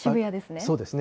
そうですね。